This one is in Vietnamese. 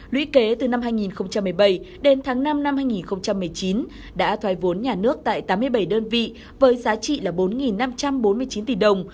lũy kế từ năm hai nghìn một mươi bảy đến tháng năm năm hai nghìn một mươi chín đã thoái vốn nhà nước tại tám mươi bảy đơn vị với giá trị là bốn năm trăm bốn mươi chín tỷ đồng